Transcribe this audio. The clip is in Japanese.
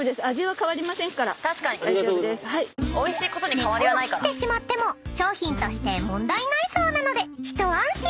［根っこを切ってしまっても商品として問題ないそうなので一安心］